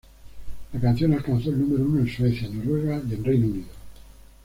La canción alcanzó el número uno en Suecia, Noruega y en Reino Unido.